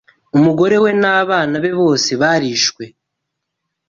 umugore we n’abana be bose barishwe